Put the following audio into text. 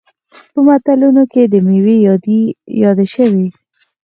په متلونو کې میوې یادې شوي.